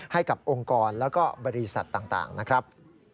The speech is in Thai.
ให้กับองค์กรแล้วก็บริษัทต่างนะครับ